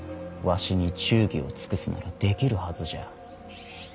わしに忠義を尽くすならできるはずじゃ。